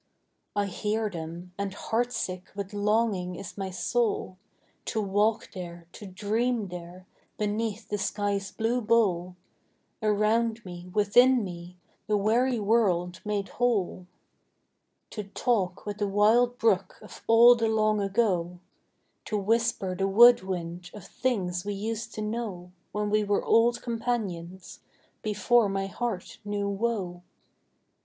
I hear them; and heartsick with longing is my soul, To walk there, to dream there, beneath the sky's blue bowl; Around me, within me, the weary world made whole. To talk with the wild brook of all the long ago; To whisper the wood wind of things we used to know When we were old companions, before my heart knew woe.